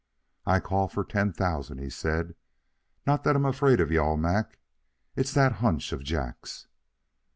"I call, for ten thousand," he said. "Not that I'm afraid of you all, Mac. It's that hunch of Jack's."